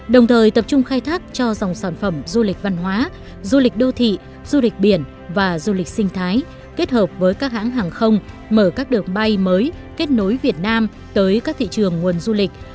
đồng thời tập trung khai thác cho dòng sản phẩm du lịch văn hóa du lịch đô thị du lịch biển và du lịch sinh thái kết hợp với các hãng hàng không mở các đường bay mới kết nối việt nam tới các thị trường nguồn du lịch